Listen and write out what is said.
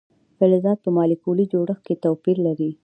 فلزات په مالیکولي جوړښت کې توپیر لري.